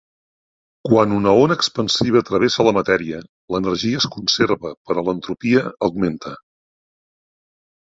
Quan una ona expansiva travessa la matèria, l'energia es conserva però l'entropia augmenta.